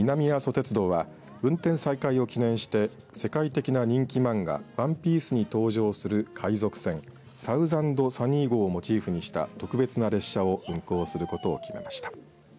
鉄道は運転再開を記念して世界的な人気漫画ＯＮＥＰＩＥＣＥに登場する海賊船サウザンド・サニー号をモチーフにした特別な列車を運行することを決めました。